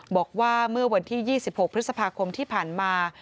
บอกว่าเมื่อวันที่๒๖พฤษภาคมที่ผ่านมา